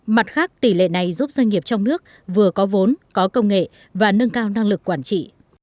mặt khác tỷ lệ này giúp doanh nghiệp trong nước vừa có vốn có công nghệ và nâng cao năng lực quản trị